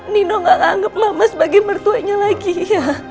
nino gak anggap lama sebagai mertuanya lagi ya